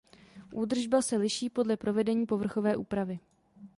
Údržba se liší podle provedení povrchové úpravy.